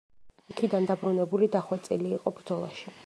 იქიდან დაბრუნებული, დახვეწილი იყო ბრძოლაში.